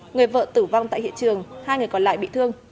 người vợ tử vong tại hiện trường hai người còn lại bị thương